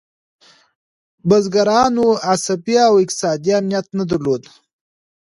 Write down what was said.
بزګرانو عصبي او اقتصادي امنیت نه درلود.